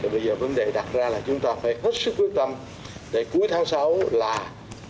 bây giờ vấn đề đặt ra là chúng ta phải hết sức quyết tâm để cuối tháng sáu là chúng ta phải